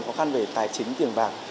khó khăn về tài chính tiền vàng